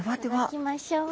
頂きましょう。